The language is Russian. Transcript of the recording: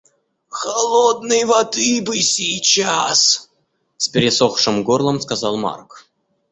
«Холодной воды бы сейчас», — с пересохшим горлом сказал Марк